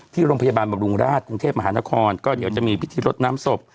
ที่โรงพยาบาลบำรุงราชกรุงเทพมหานครก็เดี๋ยวจะมีพิธีรดน้ำศพ